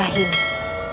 aku disebut dengan nama itu